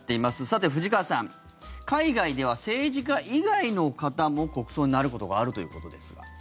さて、藤川さん海外では政治家以外の方も国葬になることがあるということですが。